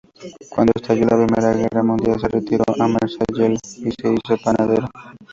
Cuando estalló la Primera Guerra Mundial se retiró a Marsella y se hizo panadero.